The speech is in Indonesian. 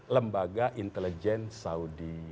lembaga intelijen saudi